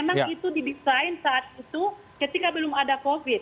nah itu dibesain saat itu ketika belum ada covid